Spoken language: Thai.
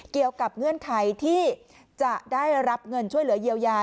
เงื่อนไขที่จะได้รับเงินช่วยเหลือเยียวยา